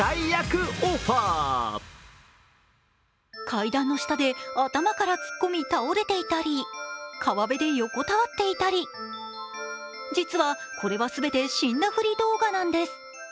階段の下で頭から突っ込み倒れていたり川辺で横たわっていたり実はこれは全て死んだふり動画なんです。